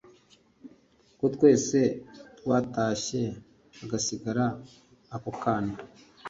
Kotwese twatashye hagasigara ako kana.